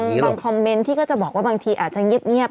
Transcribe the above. บางคอมเมนต์ที่ก็จะบอกว่าบางทีอาจจะเงียบ